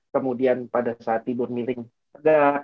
kemudian pada saat tidur miring warga